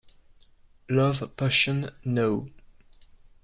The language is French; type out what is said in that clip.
Love Potion No.